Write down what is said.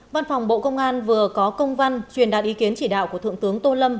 văn phòng bộ công an vừa có công văn truyền đạt ý kiến chỉ đạo của thượng tướng tô lâm